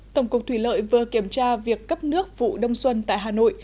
tổng cục thủy lợi vừa kiểm tra việc cấp nước vụ đông xuân tại hà nội